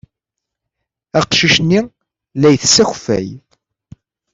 Aqcic-nni la ittess akeffay.